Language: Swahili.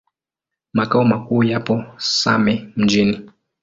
Makao makuu yapo Same Mjini.